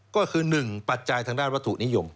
ก็คือ๑ปัจจัยทางด้านวัตถุนิยม